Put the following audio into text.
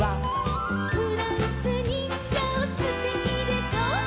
「フランスにんぎょうすてきでしょ」